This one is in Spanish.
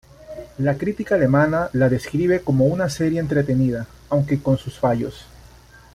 La crítica alemana la describe como una serie entretenida, aunque con sus fallos.